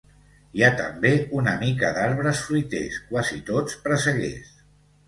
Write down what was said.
Hi ha també una mica d'arbres fruiters, quasi tots presseguers.